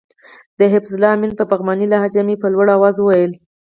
د حفیظ الله آمین په پغمانۍ لهجه مې په لوړ اواز وویل.